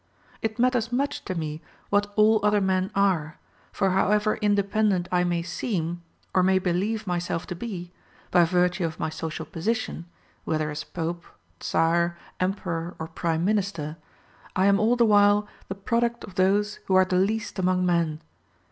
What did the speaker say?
"It matters much to me what all other men are, for however independent I may seem, or may believe myself to be, by virtue of my social position, whether as pope, czar, emperor, or prime minister, I am all the while the product of those who are the least among men.